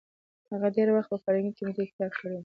هغه ډېر وخت په فرهنګي کمېټه کې کار کړی وو.